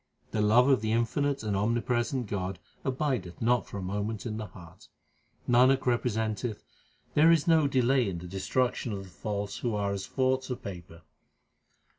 The love of the infinite and omnipresent God abideth not for a moment in the heart. Nanak representeth there is no delay in the destruction of the false who are as forts of paper.